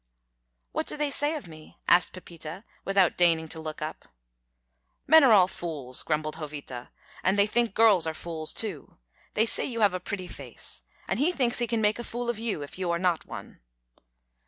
"What do they say of me?" asked Pepita, without deigning to look up. "Men are all fools," grumbled Jovita; "and they think girls are fools too. They say you have a pretty face; and he thinks he can make a fool of you if you are not one."